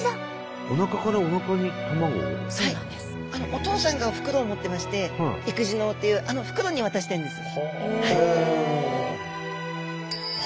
お父さんが袋を持ってまして育児嚢というあの袋に渡してるんです。